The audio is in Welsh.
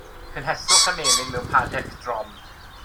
Cynheswch y menyn mewn padell drom.